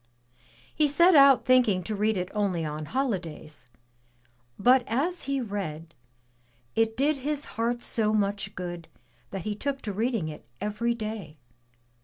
He set out thinking to read it only on holidays; but as he read, it did his heart so much good that he took to reading it every day.